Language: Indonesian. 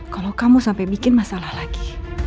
kalau kamu sampai bikin masalah lagi